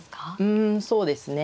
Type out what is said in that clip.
うんそうですね。